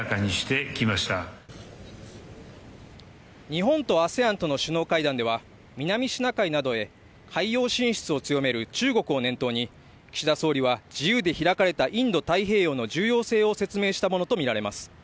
日本とＡＳＥＡＮとの首脳会談では南シナ海などへ海洋進出を強める中国を念頭に岸田総理は自由で開かれたインド太平洋の重要性を説明したものとみられます。